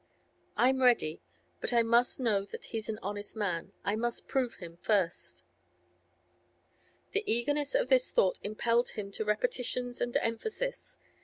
I'm ready, but I must know that he's an honest man; I must prove him first.' The eagerness of his thought impelled him to repetitions and emphasis.